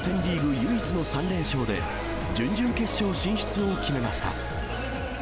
唯一の３連勝で、準々決勝進出を決めました。